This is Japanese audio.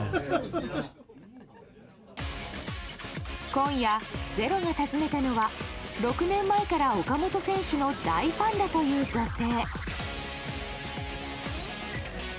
今夜「ｚｅｒｏ」が訪ねたのは６年前から岡本選手の大ファンだという女性。